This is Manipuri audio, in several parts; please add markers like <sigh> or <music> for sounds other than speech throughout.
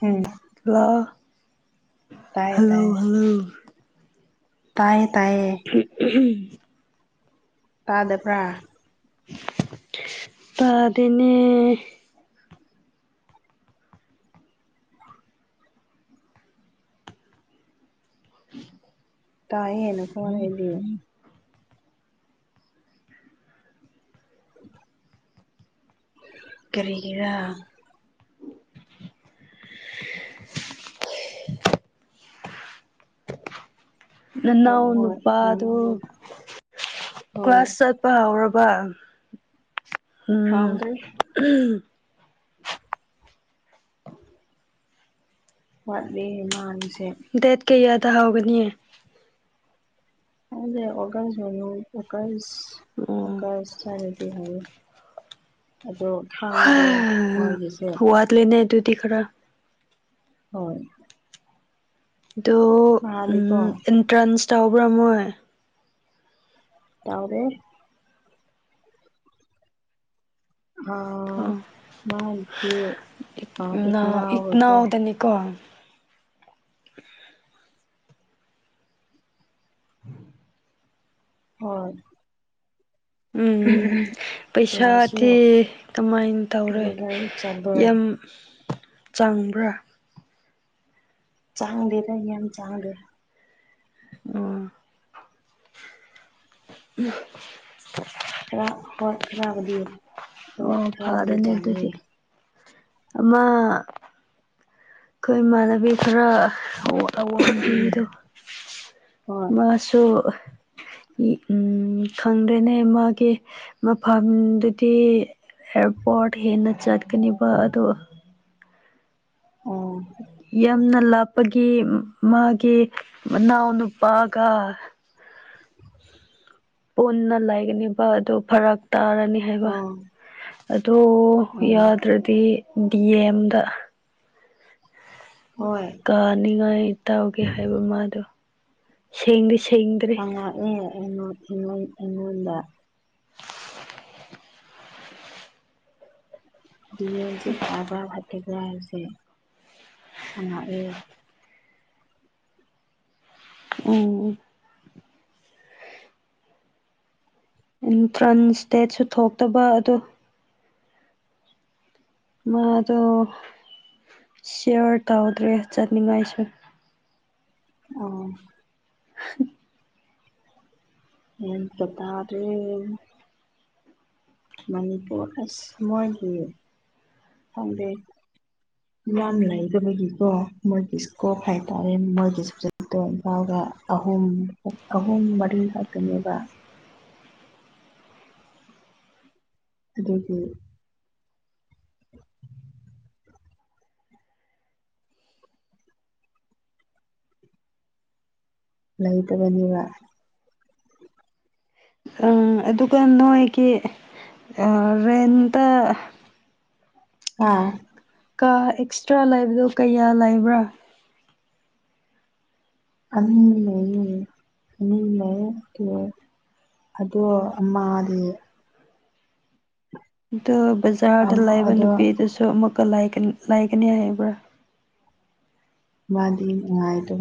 ꯍꯝ ꯍꯂ ꯍꯜꯂꯣ ꯇꯥꯏꯌꯦ ꯍꯜꯂꯣ ꯇꯥꯏꯌꯦ ꯇꯥꯏꯌꯦ <unintelligible> ꯇꯥꯗꯕ꯭ꯔꯥ ꯇꯥꯗꯦꯅꯦ <unintelligible> ꯀꯥꯏꯦꯅ ꯐꯅꯗꯤ ꯀꯔꯤꯒꯔ <unintelligible> ꯅꯅꯥ ꯍꯣꯏ ꯍꯣꯏ ꯑꯣꯅꯄꯥ ꯎꯝ ꯑꯗꯨꯣ ꯀ꯭ꯂ ꯍꯣꯏ ꯀ꯭ꯂꯥꯁꯥꯁ ꯄ ꯍꯧꯔꯕ ꯎꯝ ꯍꯥꯎꯗ꯭ꯔꯤ ꯋꯥꯠꯂꯤ ꯃꯥꯁꯦ ꯗꯦꯠ ꯀꯌꯥꯗ ꯍꯥꯎꯒꯅꯤꯌꯦ ꯑꯗꯦ ꯑꯣꯥꯏ ꯑꯣꯀꯁ ꯑꯣ ꯑꯣꯀꯥꯏꯁ ꯇꯔꯈ ꯍꯥꯏ ꯑꯗꯨ ꯍ ꯋꯥꯗ ꯂꯩꯅ ꯑꯗꯨꯗꯤ ꯈꯔ ꯍꯣꯏ ꯑꯣ ꯃꯥꯗꯤꯀꯣ ꯑꯦꯟꯇ꯭ꯔꯥꯟꯁ ꯇꯧꯕ꯭ꯔꯥ ꯃꯣꯏ ꯌꯥꯎꯗꯦ ꯑ ꯑꯣ ꯃꯥꯗꯤ ꯏꯅ ꯑꯣꯏꯕꯣ ꯑꯅꯤꯀꯣ ꯎꯝ ꯍꯝ ꯎꯝ ꯎꯝ ꯄꯩꯁꯥꯗꯤ ꯀꯃꯥꯏꯅ ꯇꯧꯔꯦ ꯔꯤꯒꯨꯂꯔ ꯆꯠꯂꯦ ꯌꯥꯝ ꯆꯪꯕ꯭ꯔꯥ ꯆꯥꯡꯗꯦꯔ ꯌꯥꯝ ꯆꯥꯡꯂꯦ ꯎ ꯎꯝ ꯈꯔ ꯍꯣꯏ ꯈꯔꯕꯗꯤ ꯑꯣ ꯐꯔꯅꯦ ꯑꯗꯨꯗꯤ ꯑꯃ ꯑꯩ ꯃꯥꯟꯅꯕꯤ ꯊꯔꯥ ꯑꯋꯡꯕꯤꯗꯣ ꯍꯣꯏ ꯃꯥꯁꯨ ꯎꯝ ꯈꯪꯗ꯭ꯔꯦꯅꯦ ꯃꯥꯒꯤ ꯃꯐꯝꯗꯨꯗꯤ ꯑꯦꯌꯥꯔꯄꯣꯔꯠ ꯍꯦꯟꯅ ꯆꯠꯀꯅꯤꯕ ꯑꯗꯣ ꯎꯝ ꯌꯥꯝꯅ ꯂꯥꯞꯄꯒꯤ ꯃꯥꯒꯤ ꯃꯅꯥꯎꯅ ꯅꯨꯄꯥꯒ ꯄꯨꯟꯅ ꯂꯩꯒꯅꯤꯕ ꯑꯗꯨ ꯐꯔꯛ ꯇꯥꯔꯅꯤ ꯍꯥꯏꯕ ꯑꯣ ꯑ ꯎꯝ ꯌꯥꯗ꯭ꯔꯗꯤ ꯗꯤ ꯑꯦꯝꯗ ꯍꯣꯏ ꯀꯥꯅꯤꯡꯉꯥꯏ ꯇꯥꯎꯒꯦ ꯍꯥꯏꯕ ꯃꯥꯗꯣ ꯁꯦꯡꯗꯤ ꯁꯦꯡꯗꯤ ꯐꯪꯉꯛꯑꯦ ꯑꯩꯉꯣꯟ ꯑꯩꯉꯣꯟꯗ ꯍꯧꯖꯤꯛ ꯐꯕ꯭ꯔꯥ ꯐꯠꯇꯕ꯭ꯔꯥ ꯍꯥꯏꯁꯦ ꯍꯪꯉꯛꯑꯦ ꯎꯝ ꯎ ꯑꯦꯟꯇ꯭ꯔꯥꯟꯁ ꯗꯦꯠꯁꯨ ꯊꯣꯛꯇꯕ ꯑꯗꯣ ꯃꯥ ꯑꯗꯨꯣ ꯁꯔ ꯇ ꯍꯗ꯭ꯔꯔꯤ ꯆꯠꯅꯤꯡꯥꯏꯁꯃ ꯑꯣ ꯌꯦ ꯀꯇꯥꯔꯦ ꯃꯅꯤꯄꯨꯔ ꯑꯁꯤꯃꯣꯏꯒꯤ ꯐꯪꯗꯦ <inaudible> ꯏꯌꯥꯝ ꯂꯩꯕꯒꯤꯀꯣ ꯃꯣꯏꯒꯤ ꯏꯁꯀꯣꯞ ꯍꯥꯏꯇꯥꯔꯦ ꯃꯣꯏꯒꯤ ꯁꯕꯖꯦꯛꯇꯣ ꯏꯝꯐꯥꯎꯜꯒꯗ ꯑꯍꯨꯝ ꯑꯍꯨꯝ ꯃꯔꯤ ꯉꯥꯛꯇꯅꯦꯕ ꯑꯗꯒꯤ ꯂꯩ ꯂꯩꯇꯕꯅꯤꯕ ꯑꯗꯨꯒ ꯅꯣꯏꯒꯤ ꯔꯦꯟꯇ ꯍꯥꯥ ꯀꯥ ꯑꯦꯛꯁꯇ꯭ꯔꯥ ꯂꯩꯕꯗꯣ ꯀꯌꯥ ꯂꯩꯕ꯭ꯔꯥ ꯑꯅꯤ ꯂꯩ ꯑꯅꯤ ꯂꯩ ꯀ ꯑꯗꯣ ꯃꯥꯗꯤ ꯑ ꯕꯖꯥꯔꯗ ꯂꯩꯕ ꯑꯗꯣ ꯅꯨꯄꯤꯗꯨꯁꯨ ꯑꯃꯨꯛꯀ ꯂꯥꯏꯒꯅꯤ ꯍꯥꯏꯕ꯭ꯔꯥ ꯗꯤ ꯑꯇ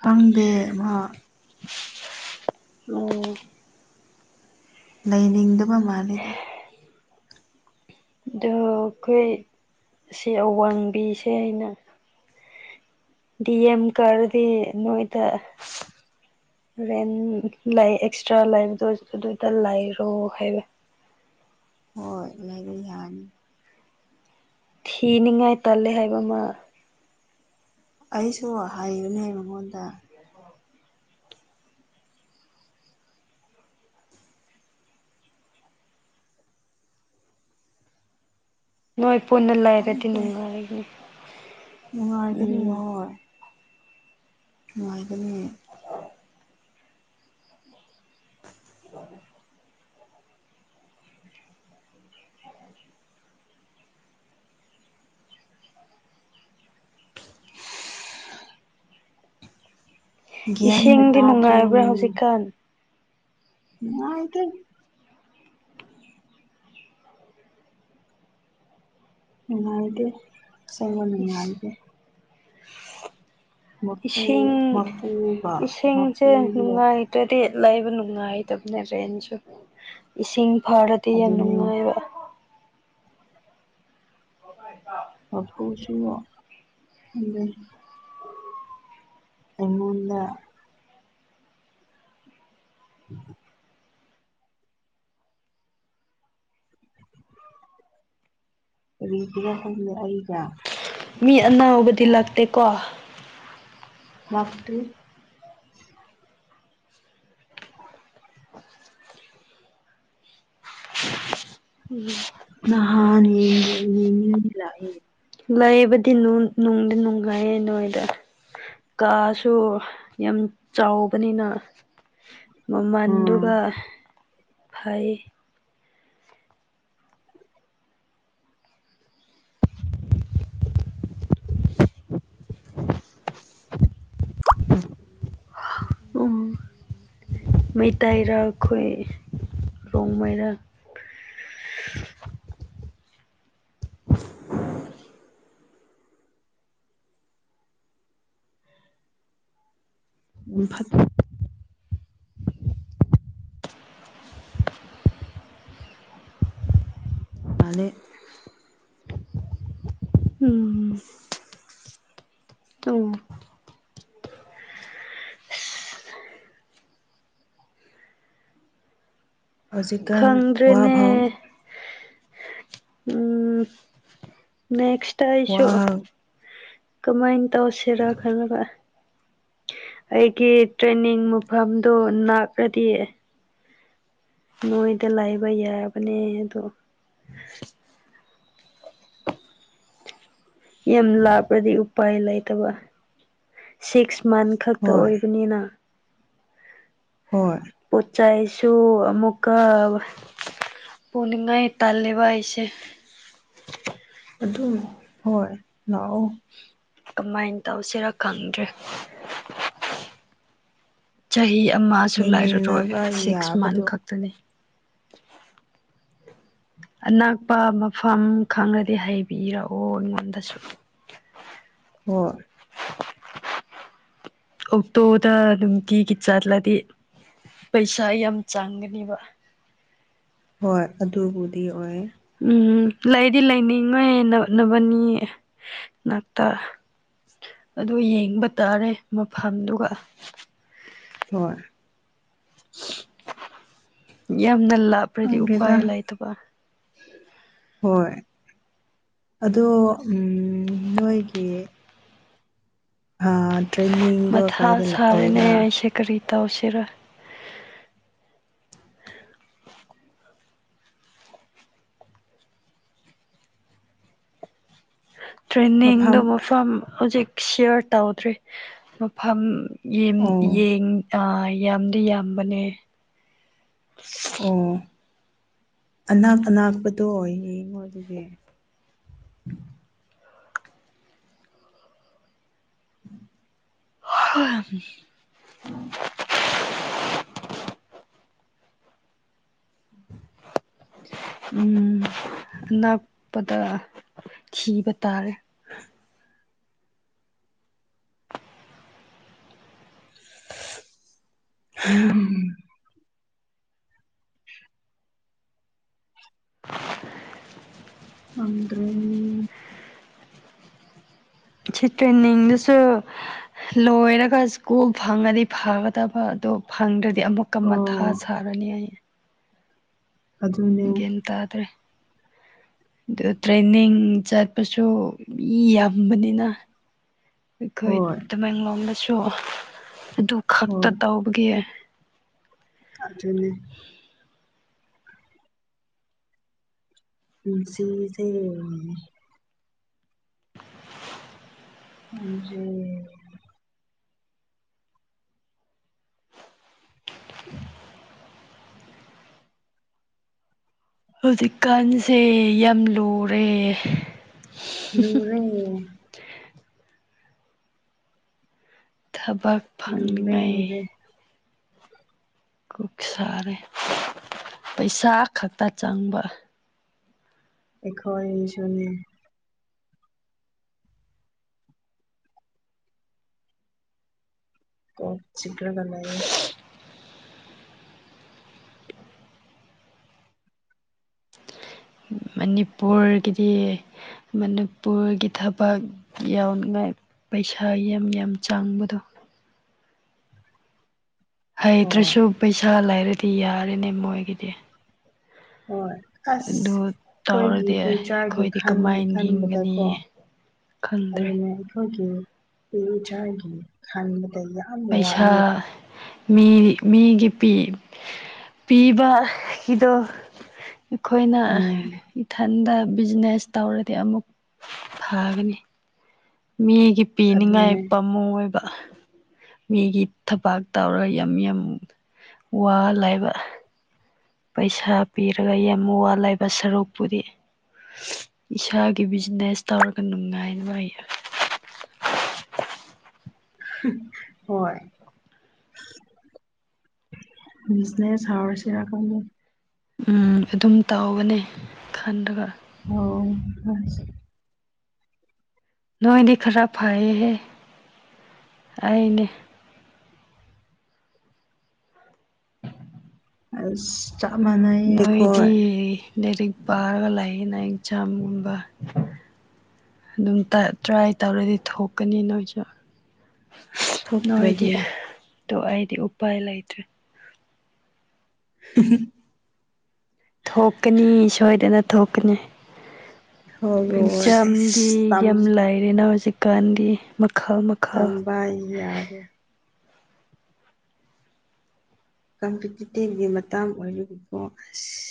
ꯈꯪꯗꯦ ꯃꯥ ꯎꯝ ꯂꯩꯅꯤꯡꯗꯕ ꯃꯥꯜꯂꯤꯦꯗ ꯑꯗꯣ ꯑꯩꯈꯣꯏ ꯁꯤ ꯑꯋꯥꯡꯕꯤꯁꯦ ꯑꯩꯅ ꯗꯤ ꯑꯦꯝ ꯀꯔꯗꯤ ꯅꯣꯏꯗ ꯦꯟ ꯂꯥꯛꯑ ꯑꯦꯛꯁꯇ꯭ꯔꯥ ꯂꯩꯕꯗꯣ ꯑꯗꯨꯗ ꯂꯩꯔꯣ ꯍꯥꯏꯕ ꯍꯣꯏ ꯂꯕ ꯌꯥꯅꯤ ꯊꯤꯅꯤꯡꯉꯥꯏ ꯇꯜꯂꯦ ꯍꯥꯏꯕ ꯑꯃ ꯑꯩꯁꯨ ꯍꯥꯏꯌꯨꯅꯦ ꯃꯉꯣꯟꯗ ꯅꯣꯏ ꯄꯨꯟꯅ ꯂꯩꯔꯗꯤ ꯅꯨꯡꯉꯥꯏꯅꯤ ꯅꯨꯡꯉꯥꯏꯒꯅꯤꯣꯏ ꯅꯨꯡꯉꯥꯏꯒꯅꯤ ꯎ ꯒ꯭ꯌꯥꯟꯒ ꯏꯁꯤꯡꯗꯤ ꯇꯥꯗ꯭ꯔꯦ ꯅꯨꯡꯉꯥꯏꯕ꯭ꯔꯥ ꯍꯧꯖꯤꯛꯀꯥꯟ ꯎ ꯀ ꯅꯨꯡꯉꯥꯏꯗꯦ ꯁꯕ ꯅꯨꯡꯉꯥꯏꯗꯦ ꯃꯄꯨ ꯏꯁꯤꯡ ꯃꯄꯨꯒ ꯏꯁꯤꯡꯁꯦ ꯃꯄꯨꯗꯣ ꯅꯨꯡꯉꯥꯏ ꯑꯗꯨꯗꯤ ꯂꯩꯕ ꯅꯨꯡꯉꯥꯏꯇꯕꯅꯦ ꯔꯦꯟꯁꯨ ꯏꯁꯤꯡ ꯐꯔꯗꯤ ꯌꯥꯝ ꯑꯗꯨꯅꯦ ꯅꯨꯡꯉꯥꯏꯕ ꯍꯕ ꯍꯥ ꯀꯁꯨ ꯎ ꯑꯩꯉꯣꯟꯗ ꯎꯝ ꯀꯔꯤꯁꯤꯒ ꯍꯪꯦ ꯑꯩꯒ ꯃꯤ ꯑꯅꯥꯕꯗꯤ ꯂꯥꯛꯇꯦꯀꯣ <unintelligible> ꯎꯝ ꯅꯍꯥꯟ ꯏꯂ ꯂꯩꯕꯗꯤ ꯅꯨꯡꯗꯤ ꯅꯨꯡꯉꯥꯏꯌꯦ ꯅꯣꯏꯗ ꯀꯥꯁꯨ ꯌꯥꯝ ꯆꯥꯎꯕꯅꯤꯅ ꯎꯝ ꯃꯃꯜꯗꯨꯒ ꯐꯩ ꯎꯝ ꯃꯩꯇꯩꯔ ꯑꯩꯈꯣꯏ ꯔꯣꯡꯃꯩꯔ ꯎꯝ ꯐꯠꯇ ꯐꯅꯤ ꯎꯝ ꯎꯝ ꯍꯧꯖꯤꯛꯀꯥꯟ ꯋꯥꯐꯥꯎ ꯈꯪꯗ꯭ꯔꯦꯅꯦ ꯎꯝ ꯅꯦꯛꯁꯇ ꯋꯥ ꯑꯩꯁꯨ ꯀꯃꯥꯏꯅ ꯇꯧꯁꯤꯔꯥ ꯈꯜꯕ ꯑꯩꯒꯤ ꯇ꯭ꯔꯦꯟꯅꯤꯡ ꯃꯨꯐꯝꯗꯨ ꯅꯛꯂꯗꯤ ꯅꯣꯏꯗ ꯂꯥꯏꯕ ꯌꯥꯕꯅꯦ ꯑꯗꯣ ꯌꯥꯝ ꯂꯥꯞꯄ꯭ꯔꯗꯤ ꯎꯄꯥꯏ ꯂꯩꯇꯕ ꯁꯤꯛꯁ ꯃꯟ ꯈꯛꯇ ꯍꯣꯏ ꯑꯣꯏꯕꯅꯤꯅ ꯍꯣꯏ ꯄꯣꯠ ꯆꯩꯁꯨ ꯑꯃꯨꯛꯀ ꯄꯨꯅꯤꯡꯉ ꯏ ꯇꯜꯦꯕꯁꯦ ꯑꯗꯨ ꯍꯣꯏ ꯂ ꯑꯣ ꯀꯃꯥꯏꯅ ꯇꯧꯁꯤꯔ ꯈꯪꯗ꯭ꯔꯦ ꯆꯍꯤ ꯑꯃꯁꯨ ꯂꯩꯥꯏꯔꯔꯣꯏ ꯂꯩꯃꯤꯟꯅꯕ ꯁꯤꯛꯁ ꯃꯟ ꯌꯥꯕꯗꯣ ꯈꯛꯇꯅꯤ ꯑꯅꯥꯛꯄ ꯃꯐꯝ ꯈꯪꯔꯗꯤ ꯍꯩꯕꯤꯔꯛꯑꯣ ꯑꯩꯉꯣꯟꯗꯁꯨ ꯍ ꯑꯣꯛꯇꯣꯗ ꯅꯨꯡꯇꯤꯒꯤ ꯆꯠꯂꯗꯤ ꯄꯩꯁꯥ ꯌꯥꯝ ꯆꯥꯡꯒꯅꯦꯕ ꯍꯣꯏ ꯑꯗꯨꯕꯨꯗꯤ ꯑꯣꯏ ꯎꯝ ꯂꯩꯗꯤ ꯂꯩꯅꯤꯡꯉꯣꯏꯟꯅꯣꯠꯅꯕꯅꯤ ꯅꯥꯛꯇ ꯑꯗꯨ ꯌꯦꯡꯕ ꯇꯥꯔꯦ ꯃꯐꯝꯗꯨꯒ ꯍꯣꯏ ꯌꯥꯍꯗꯜ ꯂꯥ ꯍꯧꯒꯦꯗ ꯍꯣꯏ ꯑꯗꯣ ꯅꯣꯏꯒꯤ ꯇ꯭ꯔꯦꯟꯅꯤꯡꯗꯣ ꯀꯗꯥꯥꯏꯗꯑꯣꯕ꯭ꯔꯥ ꯆ ꯀꯔꯤꯇ ꯁꯤꯔ ꯇ꯭ꯔꯦꯟꯅꯤꯡꯗꯣ ꯃꯐꯝ ꯍꯧꯖꯤꯛ ꯁꯤꯌꯥꯔ ꯇꯧꯗ꯭ꯔꯤ ꯃꯐꯝ ꯑꯣ ꯑ ꯌꯥꯝꯗꯤ ꯌꯥꯝꯕꯅꯦ ꯎꯝ ꯑꯅꯥꯛ ꯑꯅꯥꯛꯄꯗꯣ ꯌꯦꯡꯉꯣ ꯑꯗꯨꯒꯤ ꯍ ꯎꯝ ꯎꯝ ꯑꯅꯛꯄꯗ ꯤꯕ ꯇꯥꯔꯦ <inaudible> ꯎꯝ ꯑꯗ꯭ꯔꯦ ꯁꯤ ꯇ꯭ꯔꯦꯟꯅꯤꯡꯗꯁꯨ ꯂꯣꯏꯔꯒ ꯁ꯭ꯀꯨꯜ ꯐꯪꯉꯗꯤ ꯐꯒꯗꯕ ꯑꯗꯣ ꯐꯪꯗ꯭ꯔꯗꯤ ꯑꯃꯨꯛ ꯀ ꯃꯊꯥ ꯑꯣ ꯁꯥꯔꯅꯤ ꯑꯩ ꯑꯗꯨꯅꯦ ꯒ꯭ꯌꯥꯟ ꯇꯥꯗ꯭ꯔꯦ ꯑꯗꯨ ꯇ꯭ꯔꯦꯟꯅꯤꯡ ꯆꯠꯄꯁꯨ ꯃꯤ ꯌꯥꯝꯕꯅꯤꯅ <inaudible> ꯑꯩꯈꯣꯏ ꯍꯣꯏ ꯇꯃꯦꯡꯂꯣꯝꯗꯁꯨ ꯑꯗꯨ ꯈꯛꯇ ꯍꯣꯏ ꯇꯧꯕꯒꯤ ꯑꯆꯅꯤ ꯁꯤꯁ ꯑ ꯎ ꯍꯧꯖꯤꯛꯀꯥꯟꯁꯦ ꯌꯥꯝ ꯂꯨꯔꯦ ꯔꯦ ꯊꯕꯛ ꯂꯨꯔꯦ ꯐꯪꯉꯩ ꯂꯨꯔꯦ ꯀꯣꯛ ꯁꯥꯔꯦ ꯄꯩꯁꯥ ꯈꯛꯇ ꯆꯪꯕ ꯑꯦꯈ ꯏꯁꯅꯤ ꯀ ꯆꯤꯒꯔꯒꯅꯥꯏꯌꯦꯦ ꯃꯅꯤꯄꯨꯔꯒꯤꯗꯤ ꯃꯅꯤꯄꯨꯔꯒꯤ ꯊꯕꯛ ꯌꯥꯎꯅꯤꯡꯉꯥꯏ ꯄꯩꯁꯥ ꯌꯥꯝ ꯌꯥꯝ ꯆꯥꯡꯕꯗꯣ ꯍꯣꯏ ꯍꯩꯇ꯭ꯔꯁꯨ ꯄꯩꯁꯥ ꯂꯩꯔꯗꯤ ꯌꯥꯔꯦꯅꯦ ꯃꯣꯏꯒꯤꯗꯤ ꯍꯣꯏ ꯑꯁ ꯑꯗꯨ ꯑꯩꯈꯣꯏꯒꯤ ꯇꯧꯔꯗꯤ ꯐ꯭ꯌꯨꯆꯔꯒꯤ ꯑꯩꯈꯣꯏꯗꯤ ꯀꯃꯥꯏꯅ ꯍꯤꯡꯒꯅꯤ ꯈꯟꯕꯗꯀꯣ ꯈꯪꯗ꯭ꯔꯦ ꯑꯗꯨꯩꯅ ꯑꯩꯈꯣꯏꯒꯤ ꯏꯆꯥꯒꯤ ꯈꯟꯕꯗ ꯌꯥꯎ ꯄꯩꯁꯥ ꯃꯤ ꯃꯤꯒꯤ ꯄꯤ ꯄꯤꯕꯒꯤꯗꯣ ꯑꯩꯈꯣꯏꯅ ꯎꯝ ꯏꯊꯟꯗ ꯕꯤꯖꯤꯅꯦꯁ ꯇꯧꯔꯗꯤ ꯑꯃꯨꯛ ꯐꯒꯅꯤ ꯃꯤꯒꯤ ꯄꯤꯅꯤꯡꯉꯥꯏ ꯑꯗꯨꯅꯦ ꯄ ꯑꯃꯨ ꯑꯣꯏꯕ ꯃꯤꯒꯤ ꯊꯕꯥꯛ ꯇꯧꯔꯒ ꯌꯥꯝ ꯌꯥꯝ ꯋꯥ ꯂꯥꯏꯕ ꯄꯩꯁꯥ ꯄꯤꯔꯒ ꯌꯥꯝ ꯋꯥ ꯂꯩꯕ ꯁꯔꯨꯛꯄꯨꯗꯤ ꯏꯁꯥꯒꯤ ꯕꯤꯖꯤꯅꯦꯁ ꯇꯧꯔꯒ ꯅꯨꯡꯉꯥꯏ ꯅꯨꯡꯉꯥꯏ ꯍꯣꯏ ꯃꯤꯁꯅꯦ ꯁꯥꯎꯔ ꯆꯔ ꯈꯪꯗꯦ ꯎ ꯑꯗꯨꯝ ꯇꯧꯒꯅꯤ ꯈꯟꯔꯒ ꯑꯣ ꯍ ꯅꯣꯏꯗꯤ ꯈꯔ ꯐꯌꯦꯍꯦ ꯑꯩꯅꯦ ꯑꯁ ꯆꯞ ꯃꯥꯟꯅꯩ ꯑꯩꯈꯣꯏ ꯅꯣꯏꯗꯤ ꯂꯥꯏꯔꯤꯛ ꯄꯥꯔꯒ ꯂꯥꯏꯌꯦꯅ ꯌꯦꯟꯁꯥꯡꯒꯨꯝꯕ ꯑꯗꯨꯝ ꯇ꯭ꯔꯥꯏ ꯇꯧꯔꯗꯤ ꯊꯣꯛꯀꯅꯤ ꯅꯣꯏꯁꯨ ꯅꯣꯏꯗꯤ ꯊꯣꯛꯇ꯭ꯔꯗꯤ ꯑꯩꯗꯤ ꯎꯄꯥꯏꯂꯥꯏꯗ꯭ꯔꯦ ꯍꯨꯝ ꯊꯣꯛꯀꯅꯤ ꯁꯣꯏꯗꯅ ꯊꯣꯛꯀꯅꯤ ꯊꯣꯛꯔꯣꯏ ꯑꯁ ꯆꯝꯗꯤ ꯇꯝ ꯌꯥꯝ ꯂꯥꯏꯔꯦꯅ ꯍꯧꯖꯤꯛꯀꯥꯟꯗꯤ ꯃꯈꯜ ꯃꯈ ꯇꯝꯕ ꯌꯥꯗꯦ ꯀꯝꯄꯤꯇꯤꯇꯤꯚꯒꯤ ꯃꯇꯥꯡ ꯑꯣꯏꯔꯔꯤꯕꯀꯣ ꯑꯁ